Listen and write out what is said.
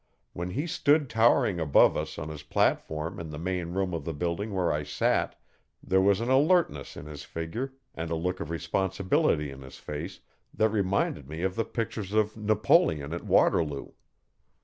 When he stood towering above us on his platform in the main room of the building where I sat, there was an alertness in his figure, and a look of responsibility in his face, that reminded me of the pictures of Napoleon at Waterloo.